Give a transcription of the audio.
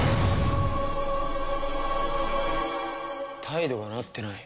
態度がなってない。